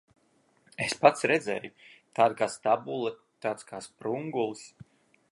Es pats redzēju. Tāda kā stabule, tāds kā sprungulis.